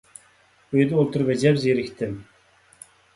ئۆيدە ئولتۇرۇپ ئەجەب زېرىكتىم.